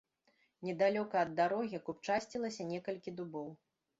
Недалёка ад дарогі купчасцілася некалькі дубоў.